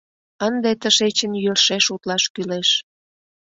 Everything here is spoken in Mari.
Ынде тышечын йӧршеш утлаш кӱлеш.